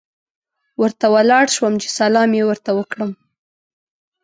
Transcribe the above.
ورته ولاړ شوم چې سلام یې ورته وکړم.